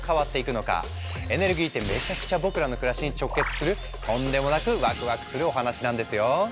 エネルギーってめちゃくちゃ僕らの暮らしに直結するとんでもなくワクワクするお話なんですよ。